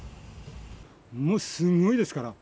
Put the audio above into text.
もうすごいですから。